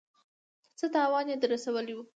څه تاوان يې در رسولی و.